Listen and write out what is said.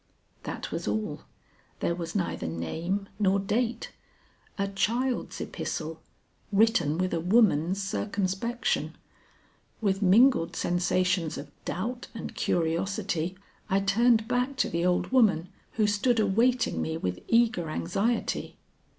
That was all; there was neither name nor date. A child's epistle, written with a woman's circumspection. With mingled sensations of doubt and curiosity I turned back to the old woman who stood awaiting me with eager anxiety.